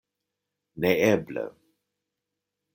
Neeble.